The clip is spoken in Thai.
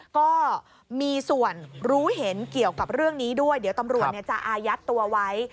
ก็มีส่วนรู้เห็นเกี่ยวกับเรื่องนี้ด้วยเดี๋ยวตำรวจจะอายัดตัวไว้